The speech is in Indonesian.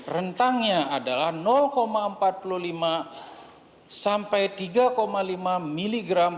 rentangnya adalah empat puluh lima sampai tiga lima miligram